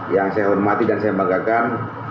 yang saya hormati dan saya banggakan